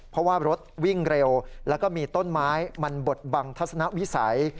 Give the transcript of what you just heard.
เพราะว่ารถวิ่งเร็วแล้วก็มีต้นไม้มันบดบังทัศนวิสัย